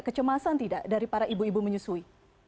kecemasan tidak dari para ibu ibu menyusui